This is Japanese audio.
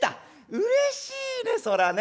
うれしいねそらね」。